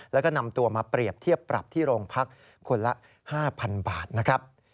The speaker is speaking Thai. แล้วก็นำตัวมาเปรียบเทียบปรับที่โรงพักคนละ๕๐๐๐บาทนะครับ